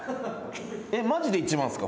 えっマジで１万っすか？